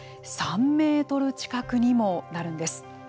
３メートル近くにもなるんです。